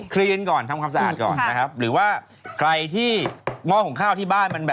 เปลี่ยนข้างหลังมันไม่ใช่มีหม้ออย่างเดียวนะ